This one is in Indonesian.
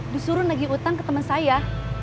disuruh nagih utang ke temen saya